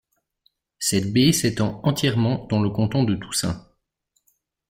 Cette baie s’étend entièrement dans le canton de Toussaint.